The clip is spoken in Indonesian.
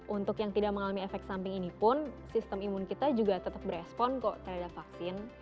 untuk yang tidak mengalami efek samping ini pun sistem imun kita juga tetap berespon kok terhadap vaksin